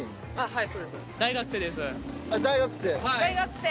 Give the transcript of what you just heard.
はい。